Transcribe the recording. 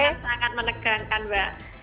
sangat sangat menegangkan mbak